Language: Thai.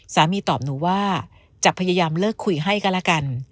สามีตอบหนูว่าจะพยายามเลิกคุยให้ก็แล้วกัน